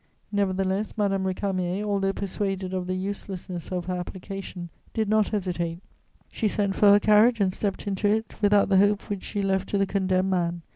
Nevertheless, Madame Récamier, although persuaded of the uselessness of her application, did not hesitate. She sent for her carriage and stepped into it, without the hope which she left to the condemned man.